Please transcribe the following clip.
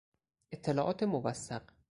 اطلاعات موثق